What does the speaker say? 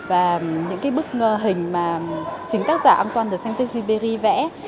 và những bức hình mà chính tác giả antoine de saint supré vẽ